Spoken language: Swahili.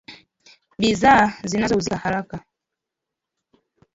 bidhaa zinazouzika haraka